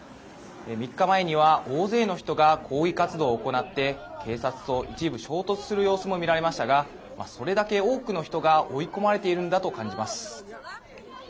３日前には大勢の人が抗議活動を行って警察と一部衝突する様子もみられましたがそれだけ多くの人が追い込まれているのだと感じます。